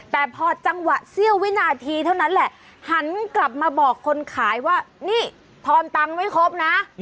แต่พอจังหวะเสี้ยววินาทีเท่านั้นแหละหันกลับมาบอกคนขายว่านี่ทอนตังค์ไม่ครบนะ